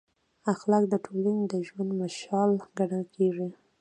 اخلاق د ټولنې د ژوند مشال ګڼل کېږي.